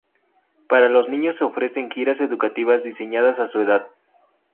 Para los niños se ofrecen giras educativas diseñadas a su edad.